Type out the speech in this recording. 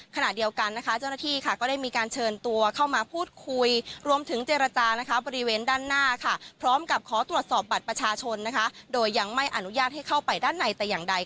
ขณะเดียวกันนะคะเจ้าหน้าที่ค่ะก็ได้มีการเชิญตัวเข้ามาพูดคุยรวมถึงเจรจานะคะบริเวณด้านหน้าค่ะพร้อมกับขอตรวจสอบบัตรประชาชนนะคะโดยยังไม่อนุญาตให้เข้าไปด้านในแต่อย่างใด